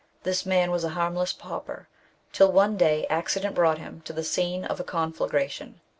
This man was a harmless pauper, till one day accident brought him to the scene of a confla gration.